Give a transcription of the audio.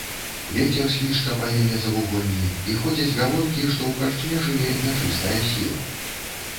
Вецер свішча па яе завуголлі, і ходзяць гаворкі, што ў карчме жыве нячыстая сіла.